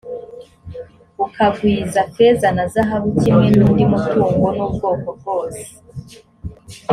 ukagwiza feza na zahabu, kimwe n’undi mutungo w’ubwoko bwose,